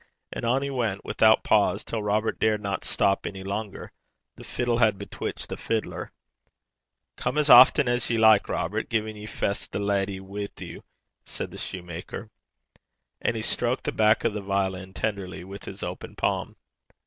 And on he went without pause, till Robert dared not stop any longer. The fiddle had bewitched the fiddler. 'Come as aften 's ye like, Robert, gin ye fess this leddy wi' ye,' said the soutar. And he stroked the back of the violin tenderly with his open palm.